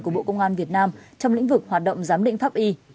của bộ công an việt nam trong lĩnh vực hoạt động giám định pháp y